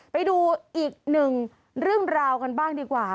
ไปดูอีกหนึ่งเรื่องราวกันบ้างดีกว่า